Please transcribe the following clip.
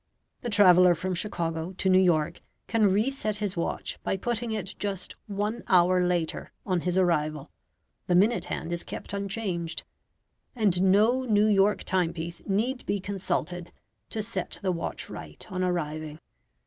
The traveller from Chicago to New York can reset his watch by putting it just one hour later on his arrival the minute hand is kept unchanged, and no New York timepiece need be consulted to set the watch right on arriving.